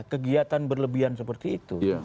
kegiatan berlebihan seperti itu